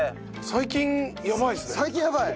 最近やばい。